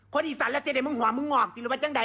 คนอีสานแล้วเซดมึงหว่ามึงงอกตีมึงสิค่าวังไง